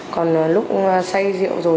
còn lúc xây rượu rồi